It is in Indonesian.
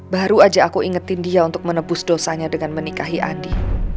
baru aja aku ingetin dia untuk menebus dosanya dengan menikahi andi